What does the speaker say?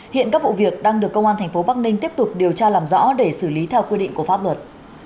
hiện các vụ việc đang được công an tp bắc ninh tiếp tục điều tra làm rõ để xử lý theo quy định của pháp luật